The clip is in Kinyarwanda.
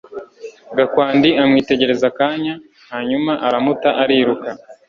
Gakwandi amwitegereza akanya, hanyuma aramuta ariruka